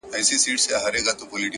o دي ښاد سي د ځواني دي خاوري نه سي؛